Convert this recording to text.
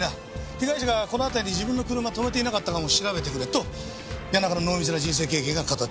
被害者がこの辺りに自分の車止めていなかったかも調べてくれと谷中の濃密な人生経験が語っている。